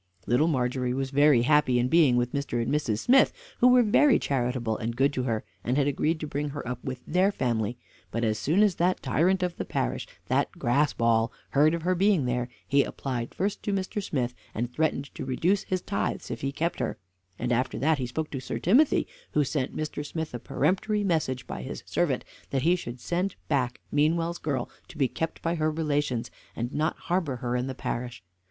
Little Margery was very happy in being with Mr. and Mrs. Smith, who were very charitable and good to her, and had agreed to bring her up with their family: but as soon as that tyrant of the parish, that Graspall, heard of her being there, he applied first to Mr. Smith, and threatened to reduce his tithes if he kept her; and after that he spoke to Sir Timothy, who sent Mr. Smith a peremptory message by his servant, that he should send back Meanwell's girl to be kept by her relations, and not harbor her in the parish.